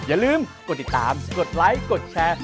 อย่าลืมกดติดตามกดไลค์กดแชร์